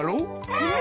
うん！